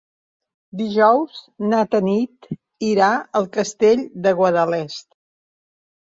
Dijous na Tanit irà al Castell de Guadalest.